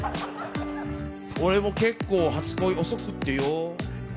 俺も結構、初恋遅くってよ。